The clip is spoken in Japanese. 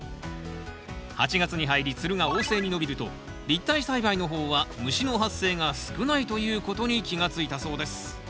８月に入りつるが旺盛に伸びると立体栽培の方は虫の発生が少ないということに気が付いたそうです